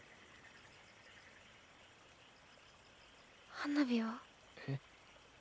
花火は？え？